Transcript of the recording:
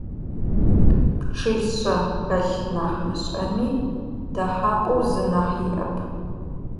Пчъишъэ хэлъ нахь мышӀэми, дэхьапӀэу зы нахь иӀэп.